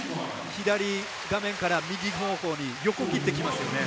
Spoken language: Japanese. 左画面から右方向に横切ってきますよね。